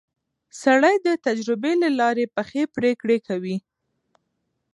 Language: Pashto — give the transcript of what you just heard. سړی د تجربې له لارې پخې پرېکړې کوي